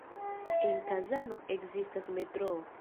En Kazano ekzistas metroo.